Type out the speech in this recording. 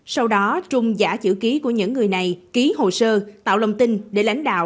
sau đó trung giả chữ ký của những người này ký hồ sơ tạo lòng tin để lãnh đạo